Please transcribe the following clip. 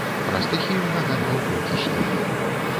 Пра стыхію нагадваў толькі снег.